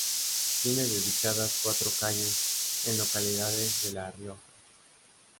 Tiene dedicadas cuatro calles en localidades de La Rioja.